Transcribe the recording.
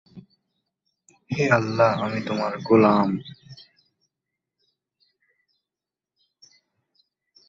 Shah Nawaz Bhutto British ভারতের সিন্ধ অঞ্চলের এক রাজপুত পরিবারে জন্মগ্রহণ করেন।